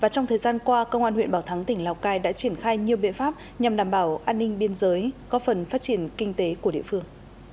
trong thời gian qua công an huyện bảo thắng tỉnh lào cai đã triển khai nhiều biện pháp nhằm đảm bảo an ninh biên giới có phần phát triển kinh tế của địa phương